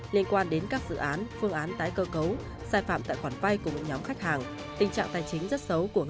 liên quan đến các dự án phương án tái xét